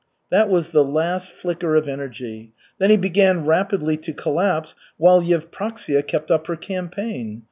That was the last flicker of energy. Then he began rapidly to collapse, while Yevpraksia kept up her campaign.